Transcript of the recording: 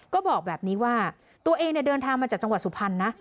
ก็บอกแบบนี้ว่าตัวเองเดินทางมาจากจังหวัดสุพรรณนะ